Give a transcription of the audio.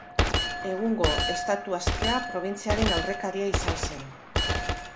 Egungo Estatu Askea probintziaren aurrekaria izan zen.